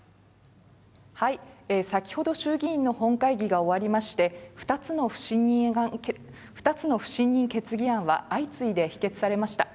先ほど衆議院の本会議が終わりまして２つの不信任決議案は相次いで否決されました。